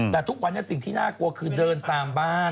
แต่ทุกวันนี้สิ่งที่น่ากลัวคือเดินตามบ้าน